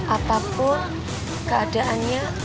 apapun keadaan ya